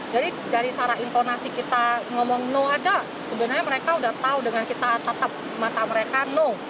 jadi dari cara intonasi kita ngomong no aja sebenarnya mereka udah tahu dengan kita tetap mata mereka no